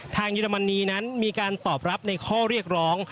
เยอรมนีนั้นมีการตอบรับในข้อเรียกร้อง